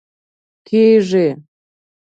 کیږي